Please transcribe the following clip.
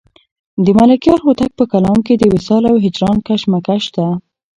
د ملکیار هوتک په کلام کې د وصال او هجران کشمکش شته.